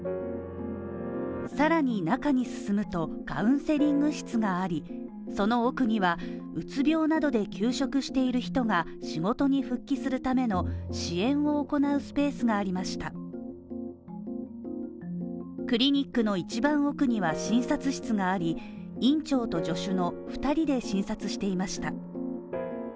さらに中に進むとカウンセリング室があり、その奥にはうつ病などで休職している人が仕事に復帰するための支援を行うスペースがありましたクリニックの一番奥には診察室があり、院長と助手の２人で診察していました。